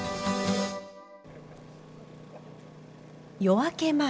夜明け前。